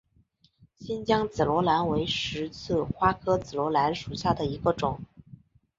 新疆紫罗兰为十字花科紫罗兰属下的一个种。